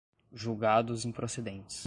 julgados improcedentes